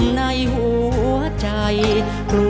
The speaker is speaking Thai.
จะใช้หรือไม่ใช้ครับ